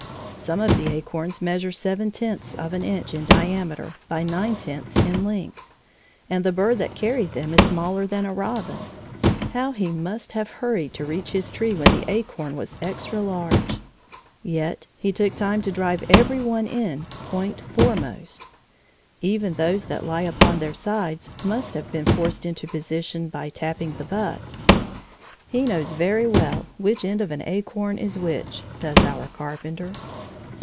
Some of the acorns measure seven tenths of an inch in diameter by nine tenths in length, and the bird that carried them is smaller than a robin. How he must have hurried to reach his tree when the acorn was extra large! Yet he took time to drive every one in point foremost. Even those that lie upon their sides must have been forced into position by tapping the butt. He knows very well which end of an acorn is which, does our Carpenter.